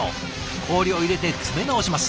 氷を入れて詰め直します。